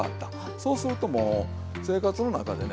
そうするともう生活の中でね